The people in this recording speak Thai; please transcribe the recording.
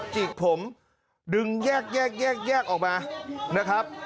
จิกผมดึงแยกแยกออกมานะครับ